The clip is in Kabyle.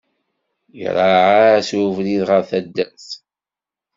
Iraɛ-as ubrid ɣer taddart.